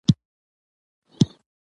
ماشوم مو ډیر ژاړي؟